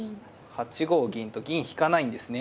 ８五銀と銀引かないんですね。